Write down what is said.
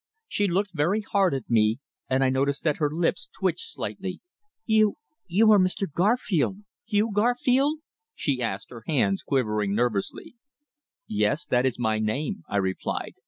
She looked very hard at me, and I noticed that her lips twitched slightly. "You you are Mr. Garfield Hugh Garfield?" she asked, her hands quivering nervously. "Yes. That is my name," I replied.